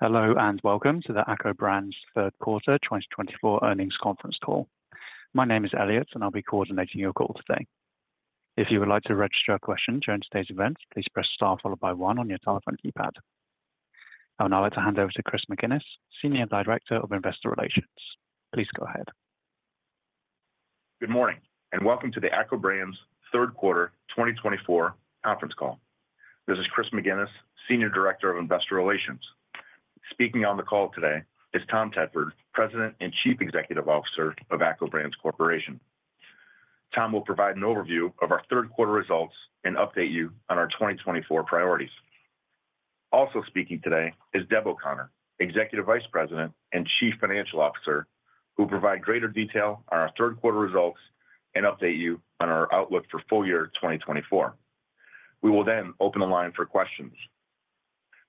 Hello and welcome to the ACCO Brands third quarter 2024 earnings conference call. My name is Elliot, and I'll be coordinating your call today. If you would like to register a question during today's event, please press star followed by one on your telephone keypad. I'll now like to hand over to Chris McGinnis, Senior Director of Investor Relations. Please go ahead. Good morning and welcome to the ACCO Brands third quarter 2024 conference call. This is Chris McGinnis, Senior Director of Investor Relations. Speaking on the call today is Tom Tedford, President and Chief Executive Officer of ACCO Brands Corporation. Tom will provide an overview of our third quarter results and update you on our 2024 priorities. Also speaking today is Deb O'Connor, Executive Vice President and Chief Financial Officer, who will provide greater detail on our third quarter results and update you on our outlook for full year 2024. We will then open the line for questions.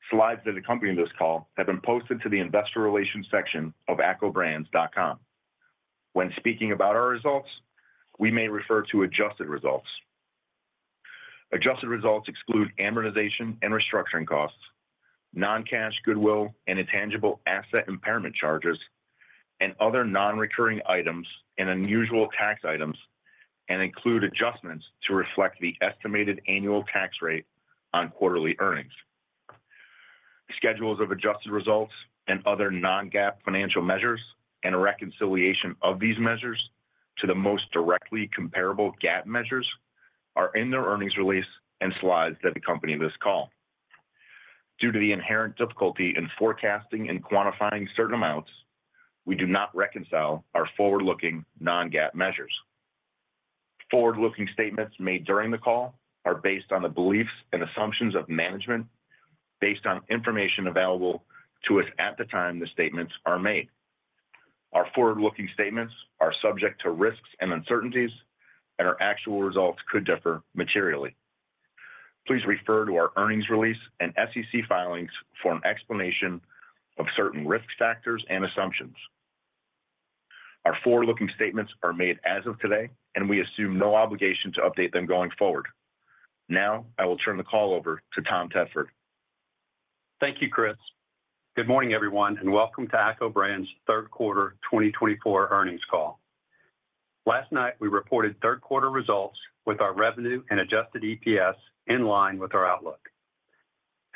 Slides that accompany this call have been posted to the investor relations section of acco.com. When speaking about our results, we may refer to adjusted results. Adjusted results exclude amortization and restructuring costs, non-cash goodwill and intangible asset impairment charges, and other non-recurring items and unusual tax items, and include adjustments to reflect the estimated annual tax rate on quarterly earnings. Schedules of adjusted results and other non-GAAP financial measures and a reconciliation of these measures to the most directly comparable GAAP measures are in their earnings release and slides that accompany this call. Due to the inherent difficulty in forecasting and quantifying certain amounts, we do not reconcile our forward-looking non-GAAP measures. Forward-looking statements made during the call are based on the beliefs and assumptions of management based on information available to us at the time the statements are made. Our forward-looking statements are subject to risks and uncertainties, and our actual results could differ materially. Please refer to our earnings release and SEC filings for an explanation of certain risk factors and assumptions. Our forward-looking statements are made as of today, and we assume no obligation to update them going forward. Now I will turn the call over to Tom Tedford. Thank you, Chris. Good morning, everyone, and welcome to ACCO Brands third quarter 2024 earnings call. Last night, we reported third quarter results with our revenue and adjusted EPS in line with our outlook.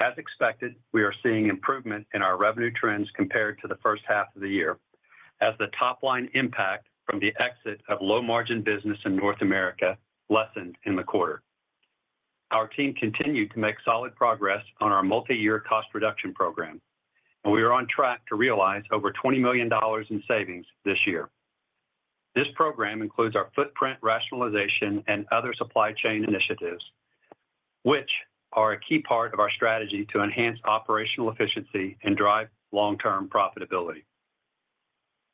As expected, we are seeing improvement in our revenue trends compared to the first half of the year as the top line impact from the exit of low-margin business in North America lessened in the quarter. Our team continued to make solid progress on our multi-year cost reduction program, and we are on track to realize over $20 million in savings this year. This program includes our footprint rationalization and other supply chain initiatives, which are a key part of our strategy to enhance operational efficiency and drive long-term profitability.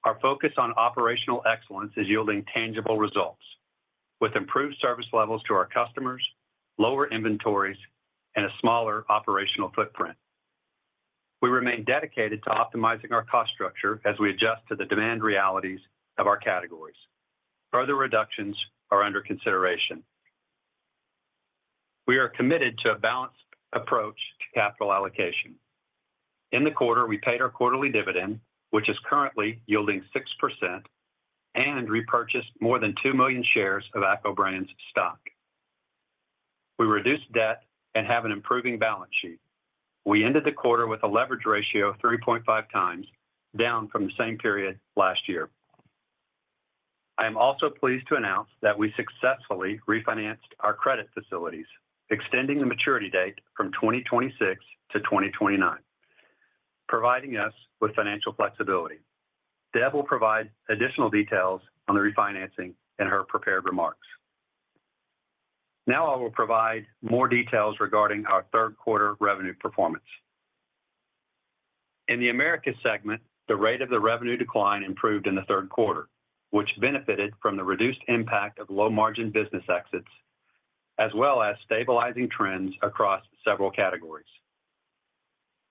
Our focus on operational excellence is yielding tangible results with improved service levels to our customers, lower inventories, and a smaller operational footprint. We remain dedicated to optimizing our cost structure as we adjust to the demand realities of our categories. Further reductions are under consideration. We are committed to a balanced approach to capital allocation. In the quarter, we paid our quarterly dividend, which is currently yielding 6%, and repurchased more than 2 million shares of ACCO Brands stock. We reduced debt and have an improving balance sheet. We ended the quarter with a leverage ratio of 3.5 times, down from the same period last year. I am also pleased to announce that we successfully refinanced our credit facilities, extending the maturity date from 2026 to 2029, providing us with financial flexibility. Deb will provide additional details on the refinancing in her prepared remarks. Now I will provide more details regarding our third quarter revenue performance. In the Americas segment, the rate of the revenue decline improved in the third quarter, which benefited from the reduced impact of low-margin business exits, as well as stabilizing trends across several categories.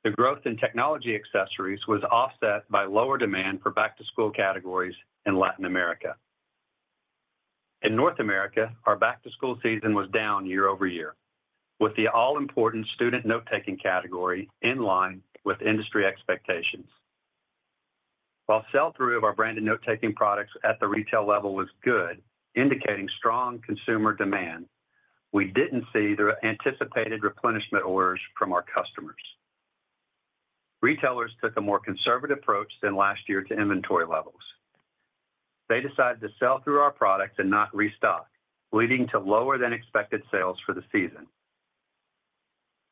The growth in technology accessories was offset by lower demand for back-to-school categories in Latin America. In North America, our back-to-school season was down year over year, with the all-important student note-taking category in line with industry expectations. While sell-through of our branded note-taking products at the retail level was good, indicating strong consumer demand, we didn't see the anticipated replenishment orders from our customers. Retailers took a more conservative approach than last year to inventory levels. They decided to sell through our products and not restock, leading to lower than expected sales for the season.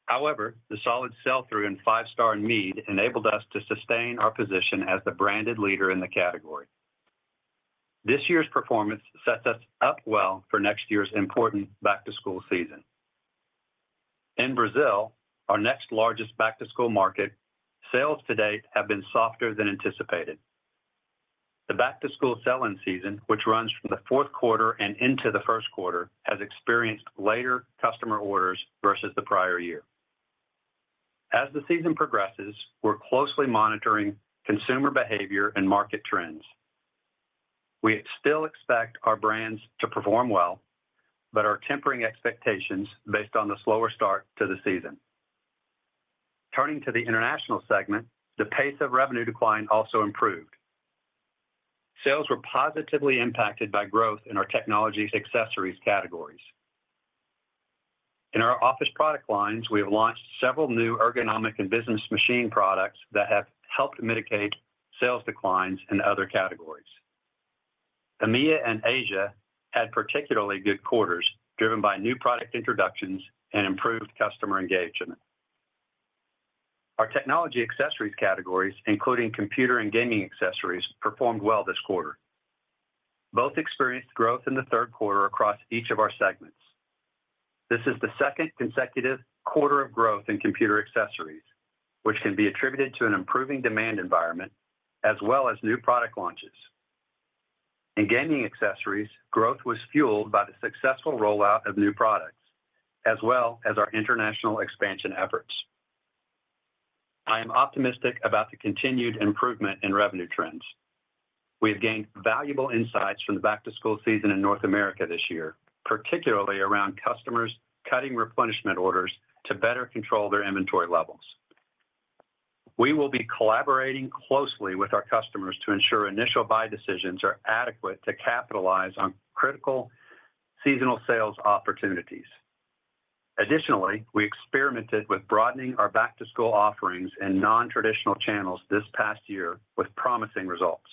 However, the solid sell-through in Five Star indeed enabled us to sustain our position as the branded leader in the category. This year's performance sets us up well for next year's important back-to-school season. In Brazil, our next largest back-to-school market, sales to date have been softer than anticipated. The back-to-school sell-in season, which runs from the fourth quarter and into the first quarter, has experienced later customer orders versus the prior year. As the season progresses, we're closely monitoring consumer behavior and market trends. We still expect our brands to perform well, but are tempering expectations based on the slower start to the season. Turning to the international segment, the pace of revenue decline also improved. Sales were positively impacted by growth in our technology accessories categories. In our office product lines, we have launched several new ergonomic and business machine products that have helped mitigate sales declines in other categories. EMEA and Asia had particularly good quarters, driven by new product introductions and improved customer engagement. Our technology accessories categories, including computer and gaming accessories, performed well this quarter. Both experienced growth in the third quarter across each of our segments. This is the second consecutive quarter of growth in computer accessories, which can be attributed to an improving demand environment as well as new product launches. In gaming accessories, growth was fueled by the successful rollout of new products, as well as our international expansion efforts. I am optimistic about the continued improvement in revenue trends. We have gained valuable insights from the back-to-school season in North America this year, particularly around customers cutting replenishment orders to better control their inventory levels. We will be collaborating closely with our customers to ensure initial buy decisions are adequate to capitalize on critical seasonal sales opportunities. Additionally, we experimented with broadening our back-to-school offerings in non-traditional channels this past year with promising results.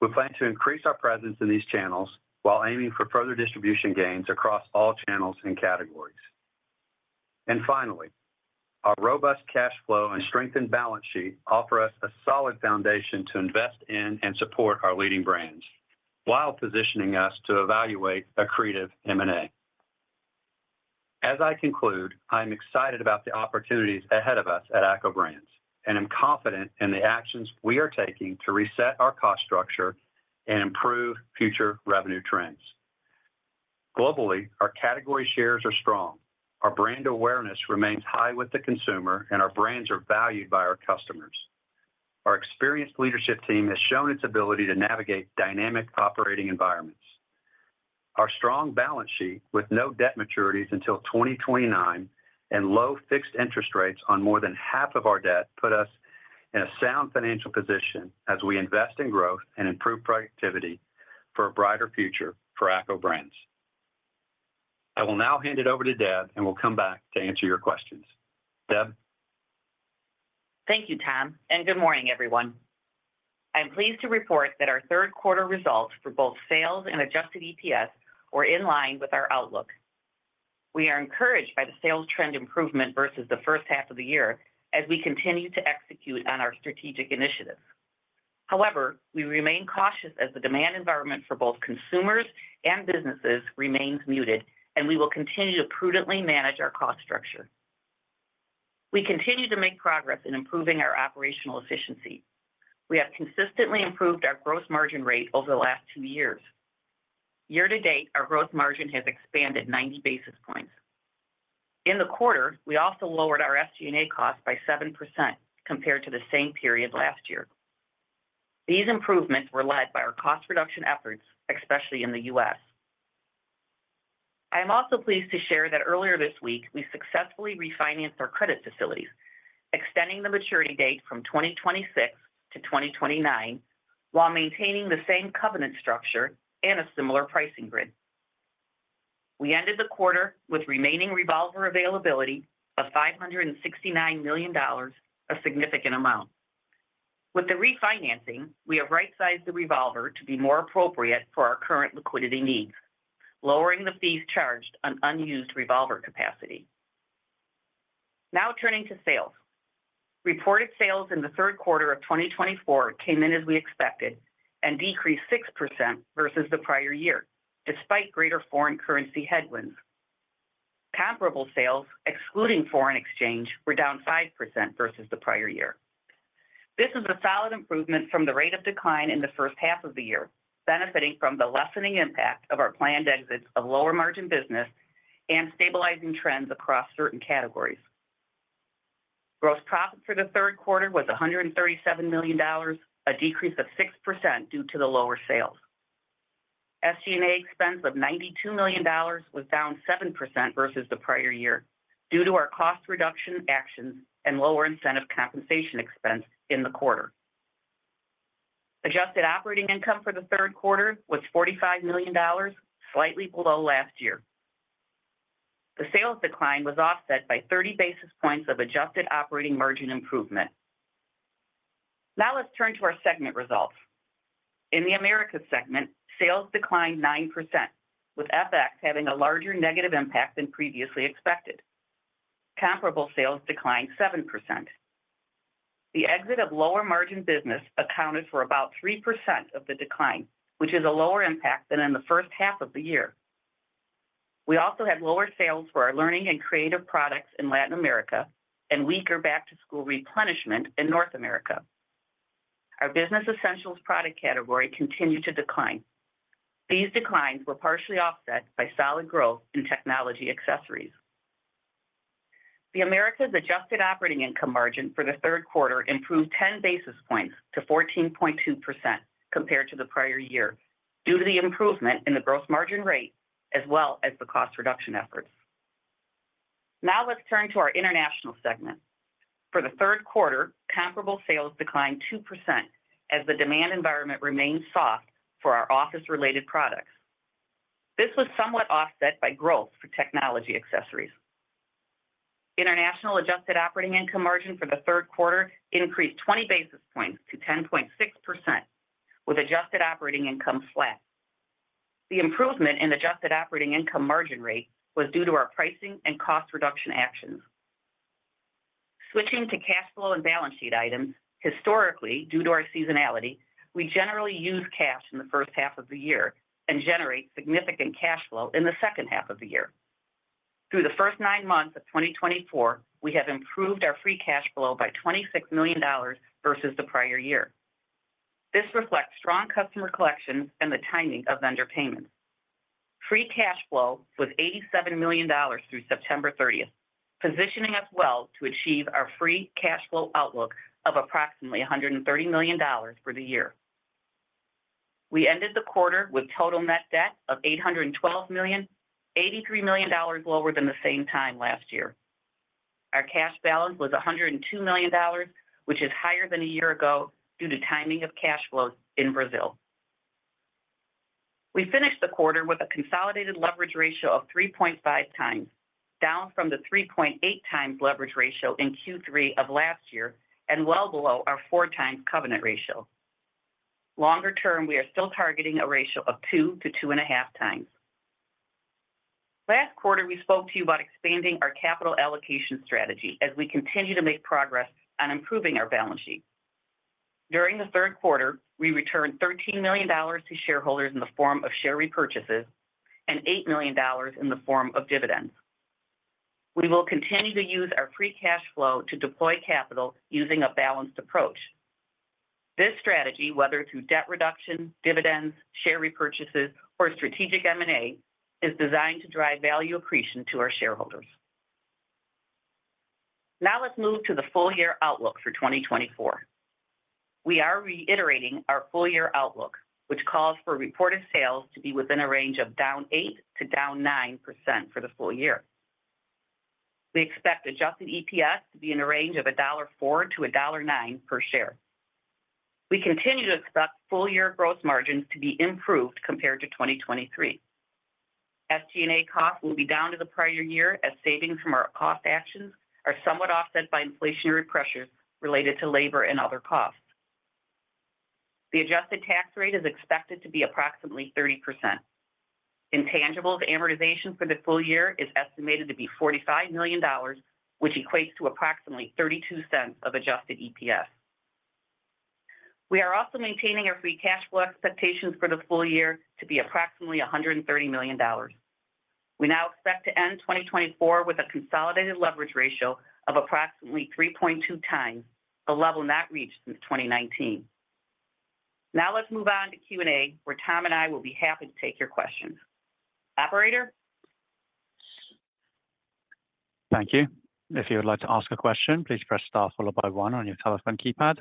We plan to increase our presence in these channels while aiming for further distribution gains across all channels and categories, and finally, our robust cash flow and strengthened balance sheet offer us a solid foundation to invest in and support our leading brands while positioning us to evaluate a creative M&A. As I conclude, I am excited about the opportunities ahead of us at ACCO Brands and am confident in the actions we are taking to reset our cost structure and improve future revenue trends. Globally, our category shares are strong, our brand awareness remains high with the consumer, and our brands are valued by our customers. Our experienced leadership team has shown its ability to navigate dynamic operating environments. Our strong balance sheet with no debt maturities until 2029 and low fixed interest rates on more than half of our debt put us in a sound financial position as we invest in growth and improve productivity for a brighter future for ACCO Brands. I will now hand it over to Deb and will come back to answer your questions. Deb. Thank you, Tom, and good morning, everyone. I'm pleased to report that our third quarter results for both sales and adjusted EPS were in line with our outlook. We are encouraged by the sales trend improvement versus the first half of the year as we continue to execute on our strategic initiatives. However, we remain cautious as the demand environment for both consumers and businesses remains muted, and we will continue to prudently manage our cost structure. We continue to make progress in improving our operational efficiency. We have consistently improved our gross margin rate over the last two years. Year to date, our gross margin has expanded 90 basis points. In the quarter, we also lowered our FG&A cost by 7% compared to the same period last year. These improvements were led by our cost reduction efforts, especially in the U.S. I am also pleased to share that earlier this week, we successfully refinanced our credit facilities, extending the maturity date from 2026 to 2029 while maintaining the same covenant structure and a similar pricing grid. We ended the quarter with remaining revolver availability of $569 million, a significant amount. With the refinancing, we have right-sized the revolver to be more appropriate for our current liquidity needs, lowering the fees charged on unused revolver capacity. Now turning to sales. Reported sales in the third quarter of 2024 came in as we expected and decreased 6% versus the prior year, despite greater foreign currency headwinds. Comparable sales, excluding foreign exchange, were down 5% versus the prior year. This is a solid improvement from the rate of decline in the first half of the year, benefiting from the lessening impact of our planned exits of lower-margin business and stabilizing trends across certain categories. Gross profit for the third quarter was $137 million, a decrease of 6% due to the lower sales. SG&A expense of $92 million was down 7% versus the prior year due to our cost reduction actions and lower incentive compensation expense in the quarter. Adjusted operating income for the third quarter was $45 million, slightly below last year. The sales decline was offset by 30 basis points of adjusted operating margin improvement. Now let's turn to our segment results. In the Americas segment, sales declined 9%, with FX having a larger negative impact than previously expected. Comparable sales declined 7%. The exit of lower-margin business accounted for about 3% of the decline, which is a lower impact than in the first half of the year. We also had lower sales for our learning and creative products in Latin America and weaker back-to-school replenishment in North America. Our business essentials product category continued to decline. These declines were partially offset by solid growth in technology accessories. The Americas adjusted operating income margin for the third quarter improved 10 basis points to 14.2% compared to the prior year due to the improvement in the gross margin rate as well as the cost reduction efforts. Now let's turn to our international segment. For the third quarter, comparable sales declined 2% as the demand environment remained soft for our office-related products. This was somewhat offset by growth for technology accessories. International adjusted operating income margin for the third quarter increased 20 basis points-10.6%, with adjusted operating income flat. The improvement in adjusted operating income margin rate was due to our pricing and cost reduction actions. Switching to cash flow and balance sheet items, historically, due to our seasonality, we generally use cash in the first half of the year and generate significant cash flow in the second half of the year. Through the first nine months of 2024, we have improved our free cash flow by $26 million versus the prior year. This reflects strong customer collections and the timing of vendor payments. Free cash flow was $87 million through September 30th, positioning us well to achieve our free cash flow outlook of approximately $130 million for the year. We ended the quarter with total net debt of $812 million, $83 million lower than the same time last year. Our cash balance was $102 million, which is higher than a year ago due to timing of cash flows in Brazil. We finished the quarter with a consolidated leverage ratio of 3.5 times, down from the 3.8 times leverage ratio in Q3 of last year and well below our 4 times covenant ratio. Longer term, we are still targeting a ratio of 2-2.5 times. Last quarter, we spoke to you about expanding our capital allocation strategy as we continue to make progress on improving our balance sheet. During the third quarter, we returned $13 million to shareholders in the form of share repurchases and $8 million in the form of dividends. We will continue to use our free cash flow to deploy capital using a balanced approach. This strategy, whether through debt reduction, dividends, share repurchases, or strategic M&A, is designed to drive value accretion to our shareholders. Now let's move to the full-year outlook for 2024. We are reiterating our full-year outlook, which calls for reported sales to be within a range of down 8%-9% for the full year. We expect Adjusted EPS to be in a range of $1.04-$1.09 per share. We continue to expect full-year gross margins to be improved compared to 2023. FG&A costs will be down to the prior year as savings from our cost actions are somewhat offset by inflationary pressures related to labor and other costs. The adjusted tax rate is expected to be approximately 30%. Intangibles amortization for the full year is estimated to be $45 million, which equates to approximately $0.32 of adjusted EPS. We are also maintaining our free cash flow expectations for the full year to be approximately $130 million. We now expect to end 2024 with a consolidated leverage ratio of approximately 3.2 times, a level not reached since 2019. Now let's move on to Q&A, where Tom and I will be happy to take your questions. Operator? Thank you. If you would like to ask a question, please press star followed by one on your telephone keypad.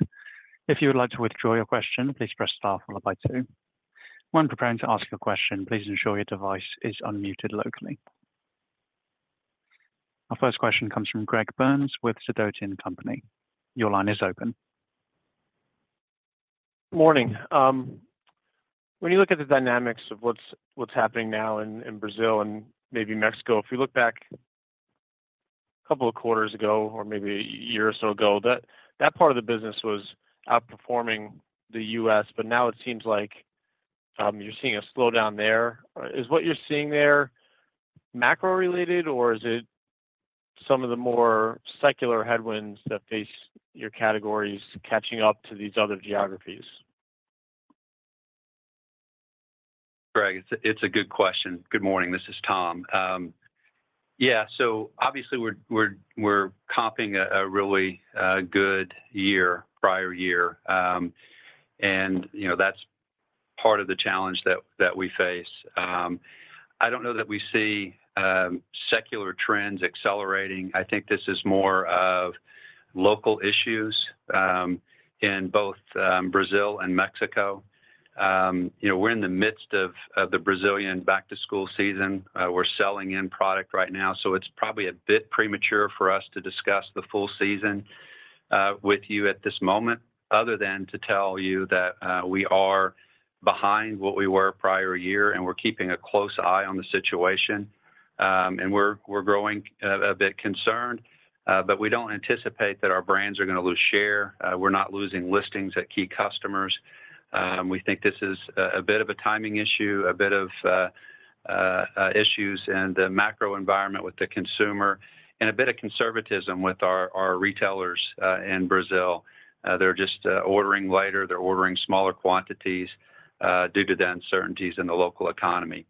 If you would like to withdraw your question, please press star followed by two. When preparing to ask your question, please ensure your device is unmuted locally. Our first question comes from Greg Burns with Sidoti & Company. Your line is open. Good morning. When you look at the dynamics of what's happening now in Brazil and maybe Mexico, if you look back a couple of quarters ago or maybe a year or so ago, that part of the business was outperforming the U.S., but now it seems like you're seeing a slowdown there. Is what you're seeing there macro-related, or is it some of the more secular headwinds that face your categories catching up to these other geographies? Greg, it's a good question. Good morning. This is Tom. Yeah, so obviously, we're comping a really good year, prior year, and that's part of the challenge that we face. I don't know that we see secular trends accelerating. I think this is more of local issues in both Brazil and Mexico. We're in the midst of the Brazilian back-to-school season. We're selling in product right now, so it's probably a bit premature for us to discuss the full season with you at this moment, other than to tell you that we are behind what we were prior year, and we're keeping a close eye on the situation, and we're growing a bit concerned, but we don't anticipate that our brands are going to lose share. We're not losing listings at key customers. We think this is a bit of a timing issue, a bit of issues in the macro environment with the consumer, and a bit of conservatism with our retailers in Brazil. They're just ordering lighter. They're ordering smaller quantities due to the uncertainties in the local economy,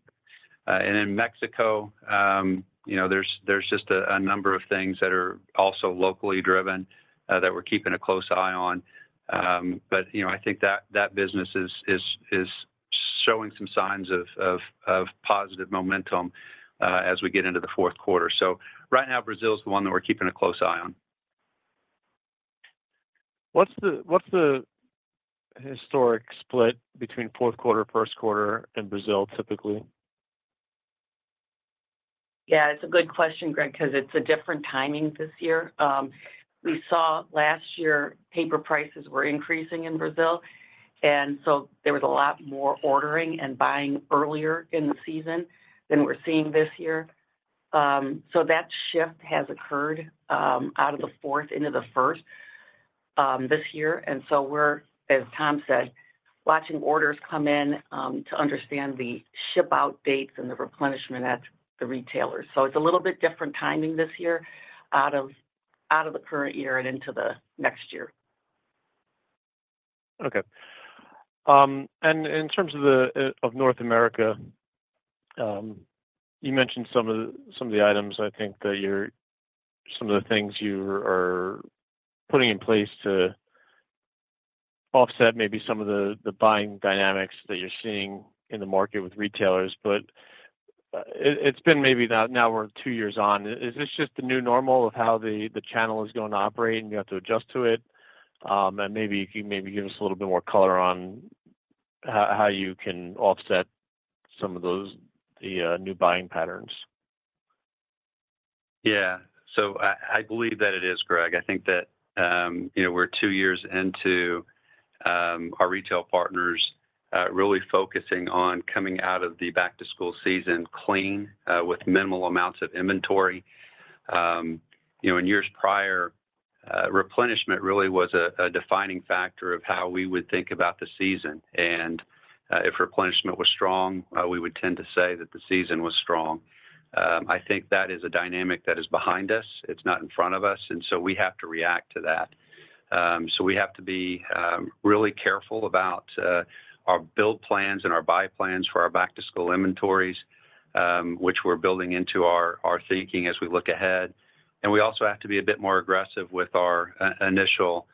and in Mexico, there's just a number of things that are also locally driven that we're keeping a close eye on, but I think that business is showing some signs of positive momentum as we get into the fourth quarter, so right now, Brazil is the one that we're keeping a close eye on. What's the historic split between fourth quarter, first quarter, and Brazil typically? Yeah, it's a good question, Greg, because it's a different timing this year. We saw last year paper prices were increasing in Brazil, and so there was a lot more ordering and buying earlier in the season than we're seeing this year. So that shift has occurred out of the fourth into the first this year. And so we're, as Tom said, watching orders come in to understand the ship-out dates and the replenishment at the retailers. So it's a little bit different timing this year out of the current year and into the next year. Okay. And in terms of North America, you mentioned some of the items, I think, that you're putting in place to offset maybe some of the buying dynamics that you're seeing in the market with retailers. But it's been maybe now we're two years on. Is this just the new normal of how the channel is going to operate, and you have to adjust to it? And maybe you can give us a little bit more color on how you can offset some of the new buying patterns. Yeah. So I believe that it is, Greg. I think that we're two years into our retail partners really focusing on coming out of the back-to-school season clean, with minimal amounts of inventory. In years prior, replenishment really was a defining factor of how we would think about the season. And if replenishment was strong, we would tend to say that the season was strong. I think that is a dynamic that is behind us. It's not in front of us. And so we have to react to that. So we have to be really careful about our build plans and our buy plans for our back-to-school inventories, which we're building into our thinking as we look ahead. And we also have to be a bit more aggressive with our initial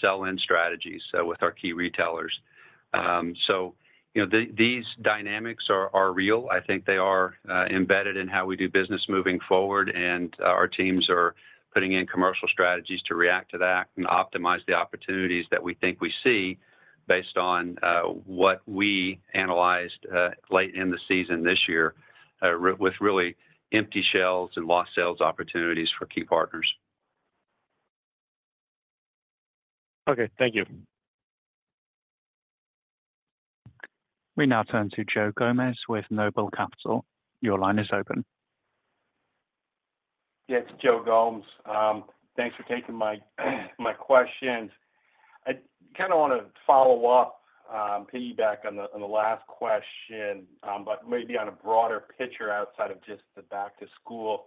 sell-in strategies with our key retailers. So these dynamics are real. I think they are embedded in how we do business moving forward, and our teams are putting in commercial strategies to react to that and optimize the opportunities that we think we see based on what we analyzed late in the season this year with really empty shelves and lost sales opportunities for key partners. Okay. Thank you. We now turn to Joe Gomes with Noble Capital. Your line is open. Yes, Joe Gomes. Thanks for taking my questions. I kind of want to follow up, piggyback on the last question, but maybe on a broader picture outside of just the back-to-school.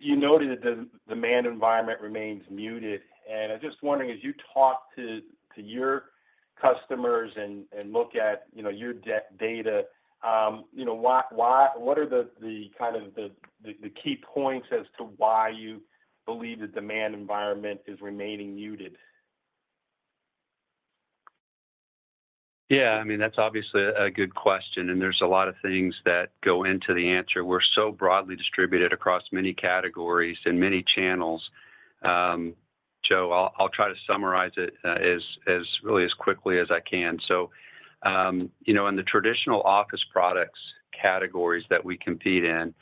You noted that the demand environment remains muted. And I'm just wondering, as you talk to your customers and look at your data, what are the kind of the key points as to why you believe the demand environment is remaining muted? Yeah. I mean, that's obviously a good question, and there's a lot of things that go into the answer. We're so broadly distributed across many categories and many channels. Joe, I'll try to summarize it as really as quickly as I can, so in the traditional office products categories that we compete in,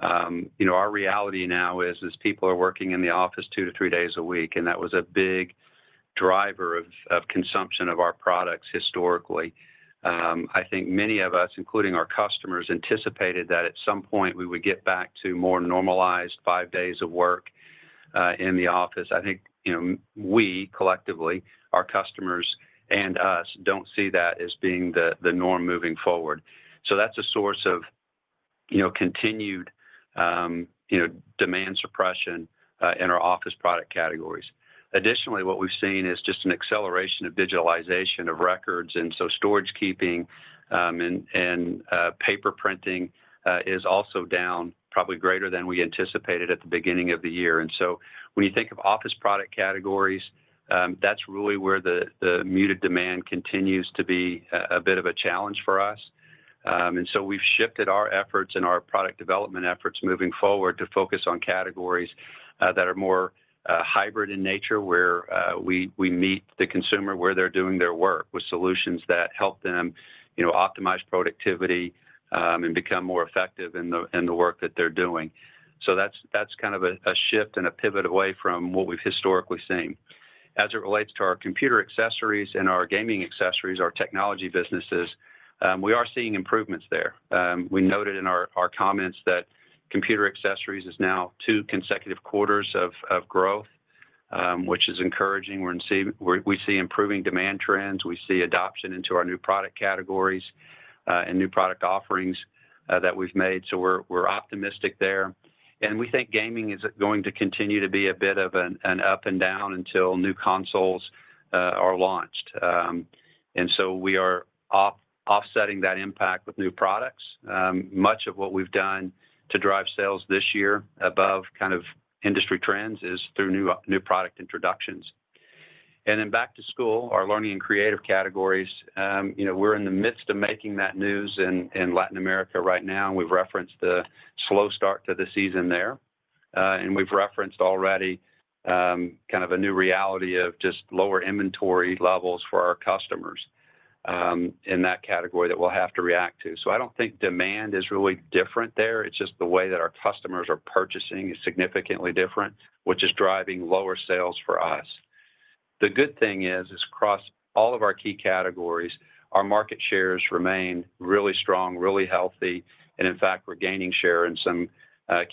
our reality now is people are working in the office two to three days a week, and that was a big driver of consumption of our products historically. I think many of us, including our customers, anticipated that at some point we would get back to more normalized five days of work in the office. I think we, collectively, our customers and us, don't see that as being the norm moving forward, so that's a source of continued demand suppression in our office product categories. Additionally, what we've seen is just an acceleration of digitalization of records. And so storage keeping and paper printing is also down, probably greater than we anticipated at the beginning of the year. And so when you think of office product categories, that's really where the muted demand continues to be a bit of a challenge for us. And so we've shifted our efforts and our product development efforts moving forward to focus on categories that are more hybrid in nature, where we meet the consumer where they're doing their work with solutions that help them optimize productivity and become more effective in the work that they're doing. So that's kind of a shift and a pivot away from what we've historically seen. As it relates to our computer accessories and our gaming accessories, our technology businesses, we are seeing improvements there. We noted in our comments that computer accessories is now two consecutive quarters of growth, which is encouraging. We see improving demand trends. We see adoption into our new product categories and new product offerings that we've made, so we're optimistic there, and we think gaming is going to continue to be a bit of an up and down until new consoles are launched, and so we are offsetting that impact with new products. Much of what we've done to drive sales this year above kind of industry trends is through new product introductions, and then back-to-school, our learning and creative categories, we're in the midst of making that noise in Latin America right now. We've referenced the slow start to the season there, and we've referenced already kind of a new reality of just lower inventory levels for our customers in that category that we'll have to react to, so I don't think demand is really different there. It's just the way that our customers are purchasing is significantly different, which is driving lower sales for us. The good thing is, across all of our key categories, our market shares remain really strong, really healthy. And in fact, we're gaining share in some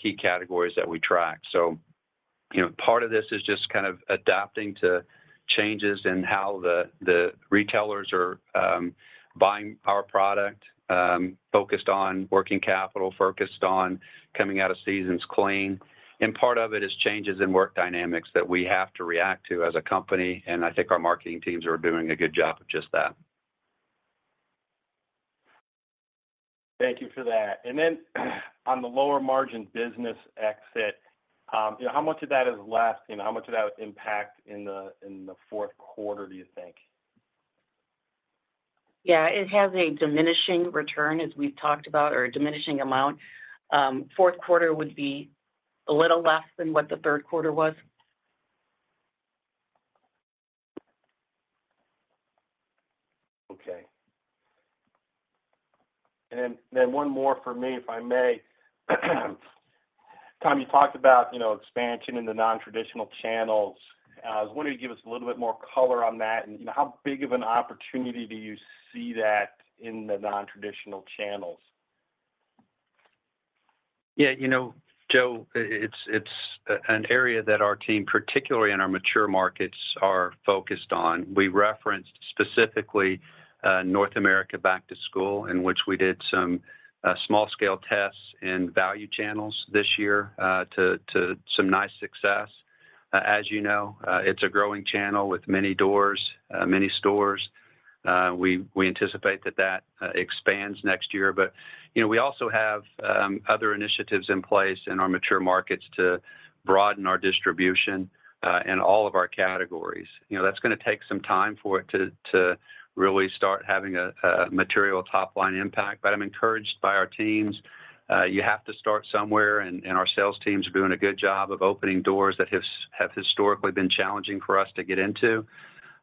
key categories that we track. So part of this is just kind of adapting to changes in how the retailers are buying our product, focused on working capital, focused on coming out of seasons clean. And part of it is changes in work dynamics that we have to react to as a company. And I think our marketing teams are doing a good job of just that. Thank you for that. And then on the lower margin business exit, how much of that is left? How much of that impact in the fourth quarter, do you think? Yeah. It has a diminishing return, as we've talked about, or a diminishing amount. Fourth quarter would be a little less than what the third quarter was. Okay. And then one more for me, if I may. Tom, you talked about expansion in the nontraditional channels. I was wondering if you could give us a little bit more color on that. And how big of an opportunity do you see that in the nontraditional channels? Yeah. You know, Joe, it's an area that our team, particularly in our mature markets, are focused on. We referenced specifically North America back-to-school, in which we did some small-scale tests in value channels this year to some nice success. As you know, it's a growing channel with many doors, many stores. We anticipate that that expands next year. But we also have other initiatives in place in our mature markets to broaden our distribution in all of our categories. That's going to take some time for it to really start having a material top-line impact. But I'm encouraged by our teams. You have to start somewhere. And our sales teams are doing a good job of opening doors that have historically been challenging for us to get into.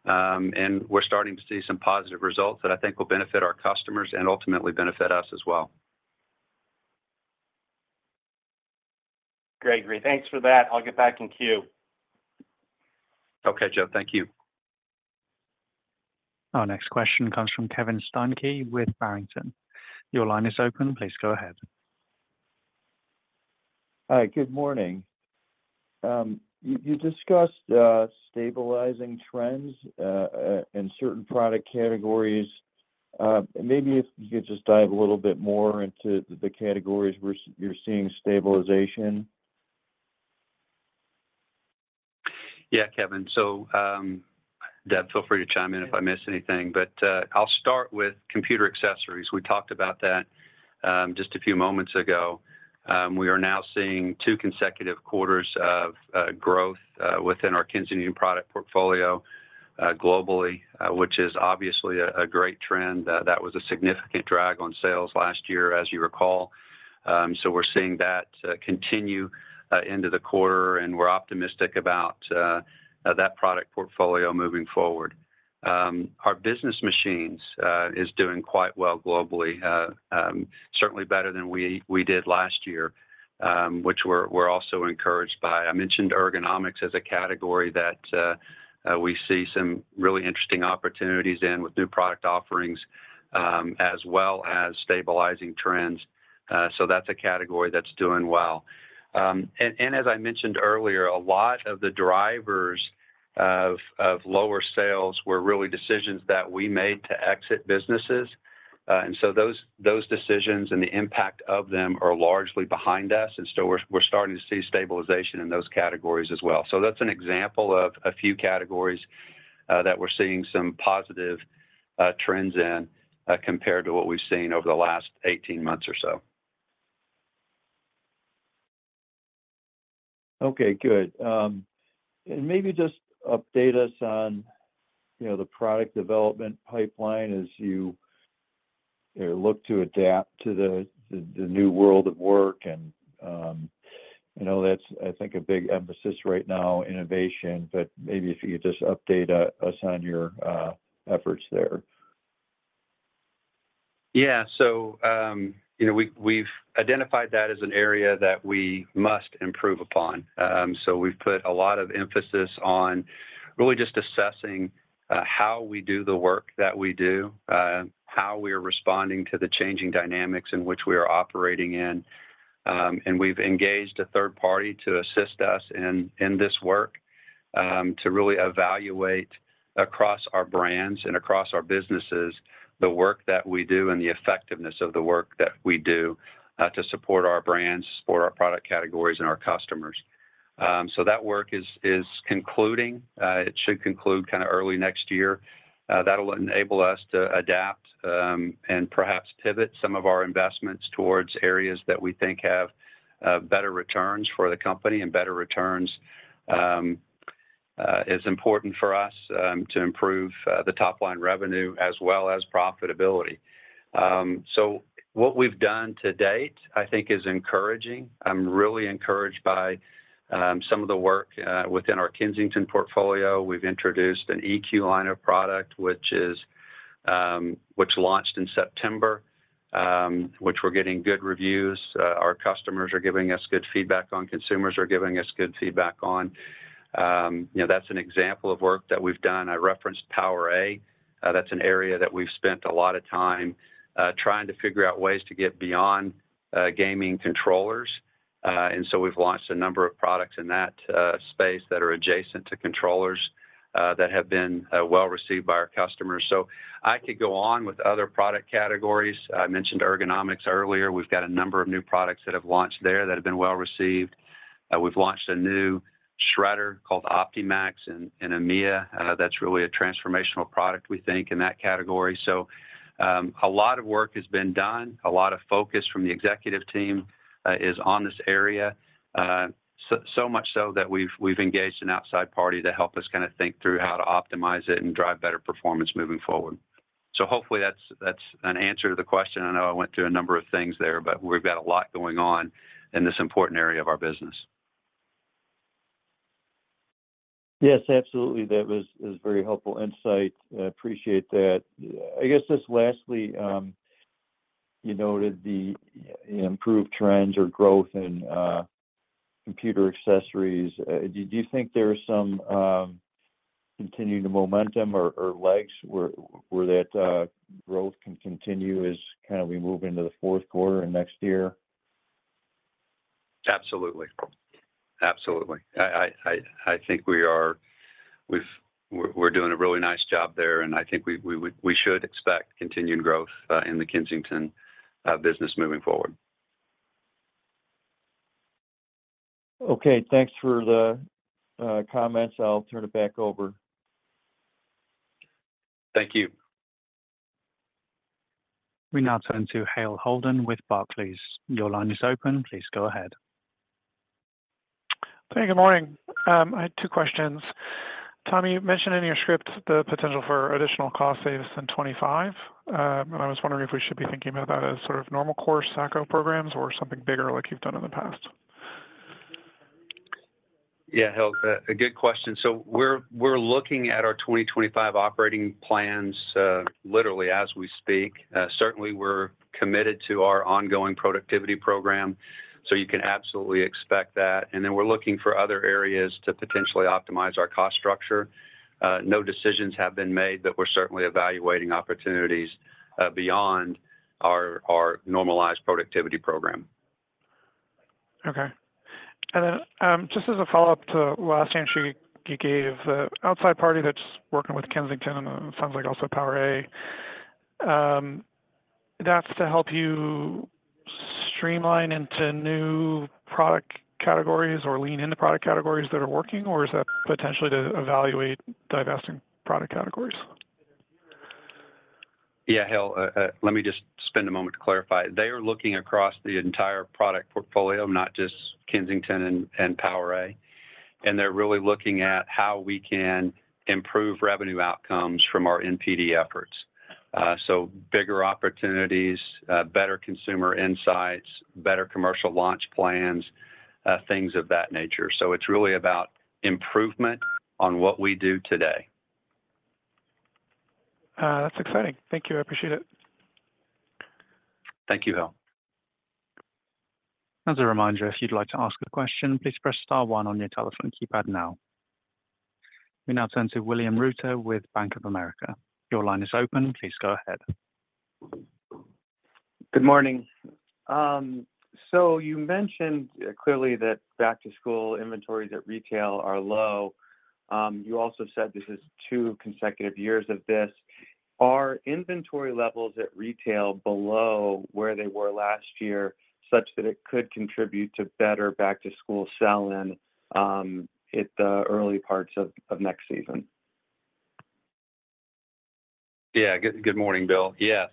And we're starting to see some positive results that I think will benefit our customers and ultimately benefit us as well. Greg, great. Thanks for that. I'll get back in queue. Okay, Joe. Thank you. Our next question comes from Kevin Steinke with Barrington. Your line is open. Please go ahead. Hi. Good morning. You discussed stabilizing trends in certain product categories. Maybe if you could just dive a little bit more into the categories where you're seeing stabilization. Yeah, Kevin. So Deb, feel free to chime in if I miss anything. But I'll start with computer accessories. We talked about that just a few moments ago. We are now seeing two consecutive quarters of growth within our Kensington product portfolio globally, which is obviously a great trend. That was a significant drag on sales last year, as you recall. So we're seeing that continue into the quarter. And we're optimistic about that product portfolio moving forward. Our business machines is doing quite well globally, certainly better than we did last year, which we're also encouraged by. I mentioned ergonomics as a category that we see some really interesting opportunities in with new product offerings as well as stabilizing trends. So that's a category that's doing well. And as I mentioned earlier, a lot of the drivers of lower sales were really decisions that we made to exit businesses. And so those decisions and the impact of them are largely behind us. And so we're starting to see stabilization in those categories as well. So that's an example of a few categories that we're seeing some positive trends in compared to what we've seen over the last 18 months or so. Okay. Good. And maybe just update us on the product development pipeline as you look to adapt to the new world of work. And that's, I think, a big emphasis right now, innovation. But maybe if you could just update us on your efforts there. Yeah. So we've identified that as an area that we must improve upon. So we've put a lot of emphasis on really just assessing how we do the work that we do, how we are responding to the changing dynamics in which we are operating in. And we've engaged a third party to assist us in this work to really evaluate across our brands and across our businesses the work that we do and the effectiveness of the work that we do to support our brands, support our product categories, and our customers. So that work is concluding. It should conclude kind of early next year. That'll enable us to adapt and perhaps pivot some of our investments towards areas that we think have better returns for the company. And better returns is important for us to improve the top-line revenue as well as profitability. So what we've done to date, I think, is encouraging. I'm really encouraged by some of the work within our Kensington portfolio. We've introduced an EQ line of product, which launched in September, which we're getting good reviews. Our customers are giving us good feedback on. Consumers are giving us good feedback on. That's an example of work that we've done. I referenced PowerA. That's an area that we've spent a lot of time trying to figure out ways to get beyond gaming controllers. And so we've launched a number of products in that space that are adjacent to controllers that have been well received by our customers. So I could go on with other product categories. I mentioned ergonomics earlier. We've got a number of new products that have launched there that have been well received. We've launched a new shredder called OptiMax in EMEA. That's really a transformational product, we think, in that category. So a lot of work has been done. A lot of focus from the executive team is on this area, so much so that we've engaged an outside party to help us kind of think through how to optimize it and drive better performance moving forward. So hopefully, that's an answer to the question. I know I went through a number of things there, but we've got a lot going on in this important area of our business. Yes, absolutely. That was very helpful insight. Appreciate that. I guess just lastly, you noted the improved trends or growth in computer accessories. Do you think there's some continued momentum or legs where that growth can continue as kind of we move into the fourth quarter and next year? Absolutely. Absolutely. I think we're doing a really nice job there. And I think we should expect continued growth in the Kensington business moving forward. Okay. Thanks for the comments. I'll turn it back over. Thank you. We now turn to Hale Holden with Barclays. Your line is open. Please go ahead. Okay. Good morning. I had two questions. Tom, you mentioned in your script the potential for additional cost savings in 2025. And I was wondering if we should be thinking about that as sort of normal-core ACCO programs or something bigger like you've done in the past. Yeah. Hale Holden, a good question, so we're looking at our 2025 operating plans literally as we speak. Certainly, we're committed to our ongoing productivity program, so you can absolutely expect that, and then we're looking for other areas to potentially optimize our cost structure. No decisions have been made, but we're certainly evaluating opportunities beyond our normalized productivity program. Okay. And then just as a follow-up to the last answer you gave, the outside party that's working with Kensington and it sounds like also PowerA, that's to help you streamline into new product categories or lean into product categories that are working? Or is that potentially to evaluate divesting product categories? Yeah. Hale Holden, let me just spend a moment to clarify. They are looking across the entire product portfolio, not just Kensington and PowerA. And they're really looking at how we can improve revenue outcomes from our NPD efforts. So bigger opportunities, better consumer insights, better commercial launch plans, things of that nature. So it's really about improvement on what we do today. That's exciting. Thank you. I appreciate it. Thank you, Hale Holden. As a reminder, if you'd like to ask a question, please press star one on your telephone keypad now. We now turn to William Reuter with Bank of America. Your line is open. Please go ahead. Good morning. So you mentioned clearly that back-to-school inventories at retail are low. You also said this is two consecutive years of this. Are inventory levels at retail below where they were last year such that it could contribute to better back-to-school sell-in at the early parts of next season? Yeah. Good morning, Bill. Yes.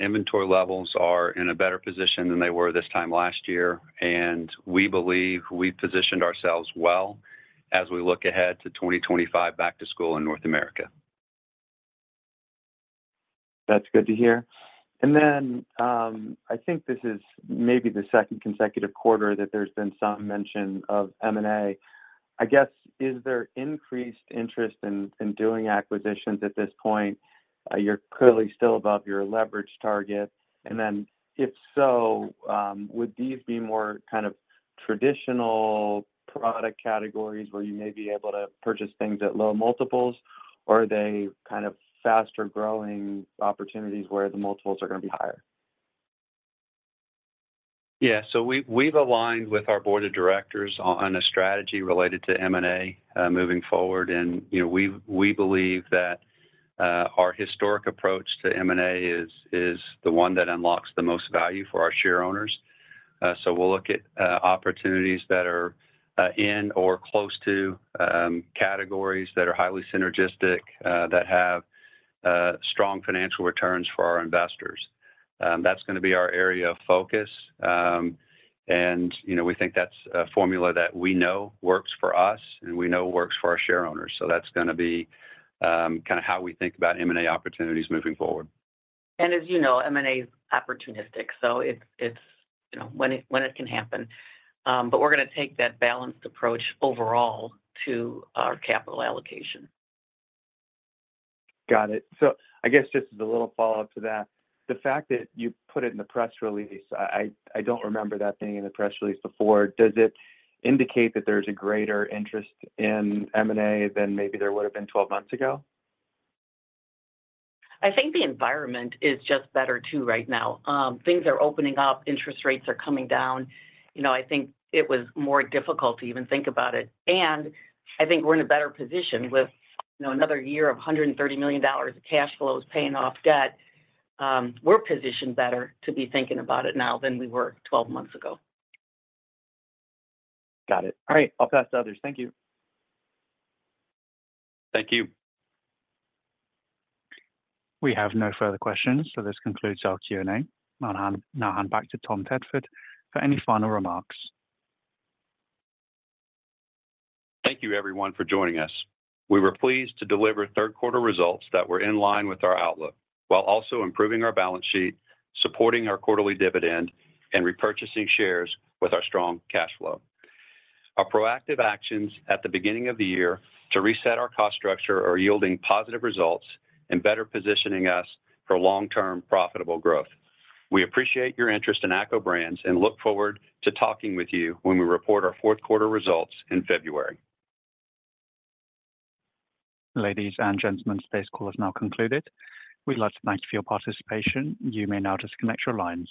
Inventory levels are in a better position than they were this time last year, and we believe we positioned ourselves well as we look ahead to 2025 back-to-school in North America. That's good to hear. And then I think this is maybe the second consecutive quarter that there's been some mention of M&A. I guess, is there increased interest in doing acquisitions at this point? You're clearly still above your leverage target. And then if so, would these be more kind of traditional product categories where you may be able to purchase things at low multiples, or are they kind of faster-growing opportunities where the multiples are going to be higher? Yeah, so we've aligned with our board of directors on a strategy related to M&A moving forward, and we believe that our historic approach to M&A is the one that unlocks the most value for our share owners, so we'll look at opportunities that are in or close to categories that are highly synergistic, that have strong financial returns for our investors. That's going to be our area of focus, and we think that's a formula that we know works for us and we know works for our share owners, so that's going to be kind of how we think about M&A opportunities moving forward. As you know, M&A is opportunistic. It's when it can happen. We're going to take that balanced approach overall to our capital allocation. Got it. So I guess just as a little follow-up to that, the fact that you put it in the press release, I don't remember that being in the press release before. Does it indicate that there's a greater interest in M&A than maybe there would have been 12 months ago? I think the environment is just better too right now. Things are opening up. Interest rates are coming down. I think it was more difficult to even think about it. I think we're in a better position with another year of $130 million of cash flows paying off debt. We're positioned better to be thinking about it now than we were 12 months ago. Got it. All right. I'll pass to others. Thank you. Thank you. We have no further questions. So this concludes our Q&A. I'll now hand back to Tom Tedford for any final remarks. Thank you, everyone, for joining us. We were pleased to deliver third-quarter results that were in line with our outlook while also improving our balance sheet, supporting our quarterly dividend, and repurchasing shares with our strong cash flow. Our proactive actions at the beginning of the year to reset our cost structure are yielding positive results and better positioning us for long-term profitable growth. We appreciate your interest in ACCO Brands and look forward to talking with you when we report our fourth-quarter results in February. Ladies and gentlemen, today's call has now concluded. We'd like to thank you for your participation. You may now disconnect your lines.